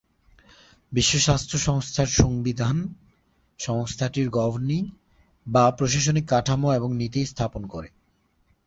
বিশ্ব স্বাস্থ্য সংস্থার সংবিধান, সংস্থাটির গভর্নিং বা প্রশাসনিক কাঠামো এবং নীতি স্থাপন করে।